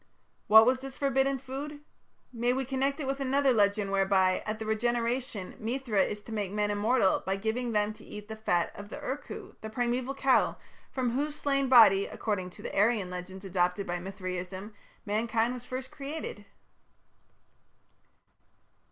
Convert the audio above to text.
What was this forbidden food? May we connect it with another legend whereby, at the Regeneration, Mithra is to make men immortal by giving them to eat the fat of the Ur Kuh, the primeval cow from whose slain body, according to the Aryan legends adopted by Mithraism, mankind was first created?"